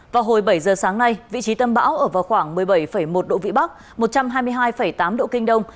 vào hồi bảy giờ sáng nay vị trí tâm bão ở vào khoảng một mươi bảy một độ vĩ bắc một trăm hai mươi hai tám độ kinh đông